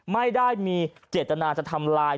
ไม่ได้มีเจตนาจะทำลาย